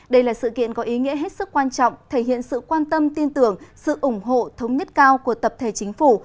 đây là sự kiện có ý nghĩa hết sức quan trọng thể hiện sự quan tâm tin tưởng sự ủng hộ thống nhất cao của tập thể chính phủ